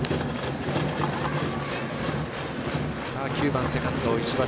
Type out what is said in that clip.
９番、セカンド、石橋